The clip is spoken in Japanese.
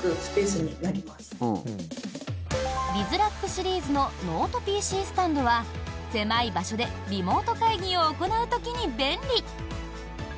ＢＩＺＲＡＣＫシリーズのノートＰＣスタンドは狭い場所でリモート会議を行う時に便利。